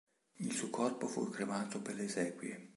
Il suo corpo fu cremato per le esequie.